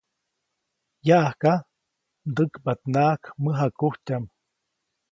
Yaʼajka, ndäkpaʼtnaʼajk mäjakujtyaʼm.